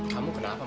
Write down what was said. kamu kenapa mas